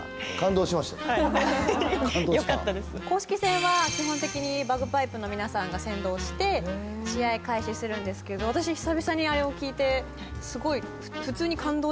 公式戦は基本的にバグパイプの皆さんが先導して試合開始するんですけど私久々にあれを聴いてすごい普通に感動しちゃって。